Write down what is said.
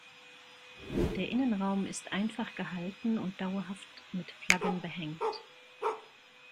Der Innenraum ist einfach gehalten und dauerhaft mit Flaggen behängt.